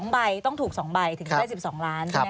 ๒ใบต้องถูก๒ใบถึงได้๑๒ล้านใช่ไหม